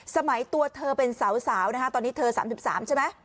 ตัวเธอเป็นสาวนะคะตอนนี้เธอ๓๓ใช่ไหม